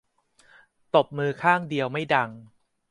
ตบมือข้างเดียวไม่ดัง